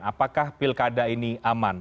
apakah pilkada ini aman